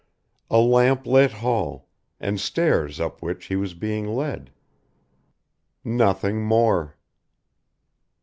A lamp lit hall, and stairs up which he was being led. Nothing more.